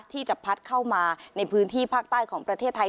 ที่จะพัดเข้ามาในพื้นที่ภาคใต้ของประเทศไทย